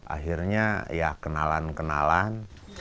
akhirnya ya kenalan kenalan